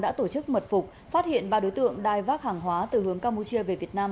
đã tổ chức mật phục phát hiện ba đối tượng đai vác hàng hóa từ hướng campuchia về việt nam